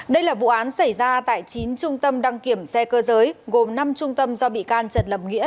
đây là vụ án xảy ra tại chín trung tâm đăng kiểm xe cơ giới gồm năm trung tâm do bị can trần lập nghĩa